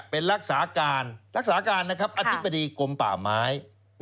เป็นรักษาการรักษาการนะครับอธิบดีกรมป่าไม้